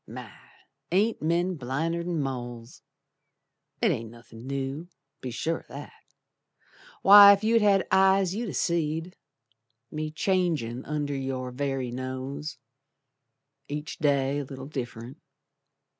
My! ain't men blinder'n moles? It ain't nothin' new, be sure o' that. Why, ef you'd had eyes you'd ha' seed Me changin' under your very nose, Each day a little diff'rent.